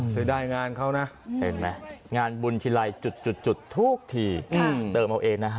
เสียดายงานเขานะเห็นไหมงานบุญทีไรจุดทุกทีเติมเอาเองนะฮะ